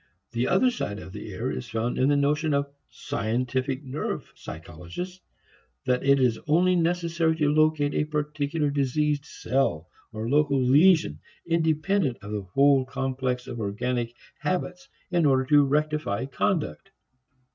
The other side of the error is found in the notion of "scientific" nerve physiologists that it is only necessary to locate a particular diseased cell or local lesion, independent of the whole complex of organic habits, in order to rectify conduct.